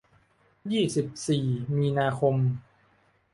ยี่สิบสี่ มีนาคม